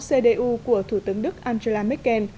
cdu của thủ tướng đức angela merkel